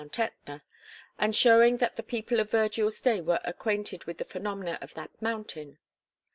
Ætna, and showing that the people of Virgil's day were acquainted with the phenomena of that mountain.